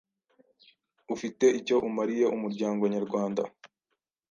ufite icyo umariye umuryango nyarwanda.